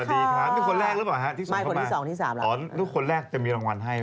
ที่๑แล้วหรอครับก่อนที่สุดออกของดูคน๑จะมีรางวัลให้